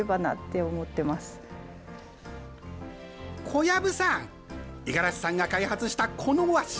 小籔さん、五十嵐さんが開発したこの和紙。